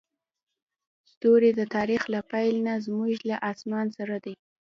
ستوري د تاریخ له پیل نه زموږ له اسمان سره دي.